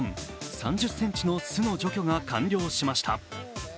３０ｃｍの巣の除去が完了しました。